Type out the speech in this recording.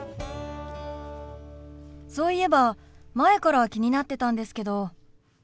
そういえば前から気になってたんですけど。